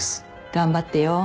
頑張ってよ。